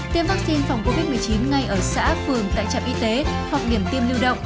tiêm vaccine phòng covid một mươi chín ngay ở xã phường tại trạm y tế hoặc điểm tiêm lưu động